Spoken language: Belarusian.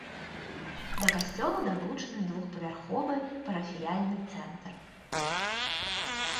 Да касцёла далучаны двухпавярховы парафіяльны цэнтр.